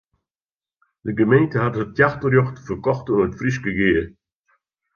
De gemeente hat it jachtrjocht ferkocht oan it Fryske Gea.